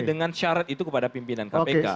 dengan syarat itu kepada pimpinan kpk